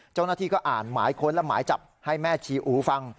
เจ้าหน้าที่ก็อ่านหมายค้นและหมายจับให้แม่ชีอูฟัง